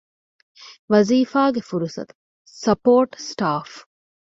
ވަޒީފާގެ ފުރުޞަތު - ސަޕޯޓް ސްޓާފް